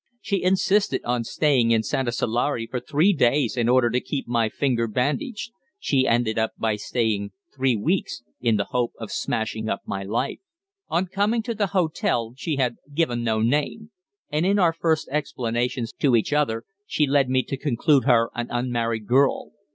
"She insisted on staying in Santasalare for three days in order to keep my finger bandaged; she ended by staying three weeks in the hope of smashing up my life. "On coming to the hotel she had given no name; and in our first explanations to each other she led me to conclude her an unmarried girl.